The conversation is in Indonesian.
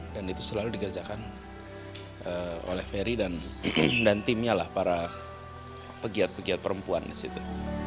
dan itu selalu dikerjakan oleh ferry dan timnya lah para pegiat pegiat perempuan di situ